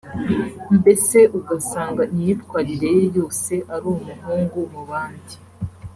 mbese ugasanga imyitwarire ye yose ari umuhungu mu bandi